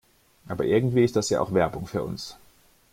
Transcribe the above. Aber irgendwie ist das ja auch Werbung für uns.